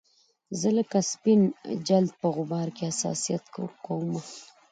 زه لکه سپین جلد په غبار کې حساسیت کومه